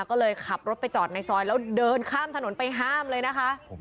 ก็เลยขับรถไปจอดในซอยแล้วเดินข้ามถนนไปห้ามเลยนะคะ